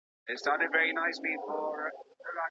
حقوقو پوهنځۍ بې پوښتني نه منل کیږي.